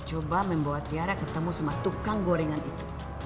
coba membawa tiara ketemu sama tukang gorengan itu